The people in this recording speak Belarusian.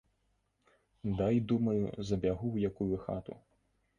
Дай, думаю, забягу ў якую хату.